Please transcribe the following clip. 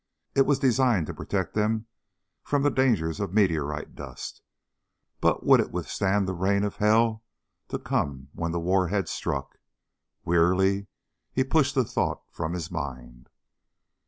It was designed to protect them from the dangers of meteorite dust, but would it withstand the rain of hell to come when the warhead struck? Wearily he pushed the thought from his mind.